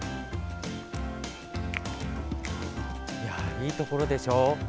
いいところでしょう。